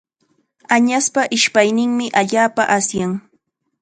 Añaspa ishpayninmi allaapa asyan.